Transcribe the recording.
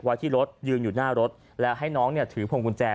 ไว้ที่รถยืนอยู่หน้ารถแล้วให้น้องเนี่ยถือพวงกุญแจ